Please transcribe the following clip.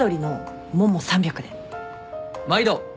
毎度！